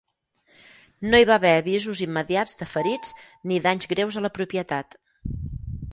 No hi va haver avisos immediats de ferits ni danys greus a la propietat.